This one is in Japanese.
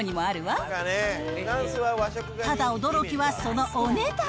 ただ驚きはそのお値段。